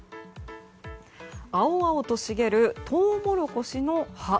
青々と茂るトウモロコシの葉。